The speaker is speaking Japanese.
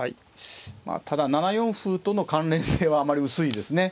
まあただ７四歩との関連性はあんまり薄いですね。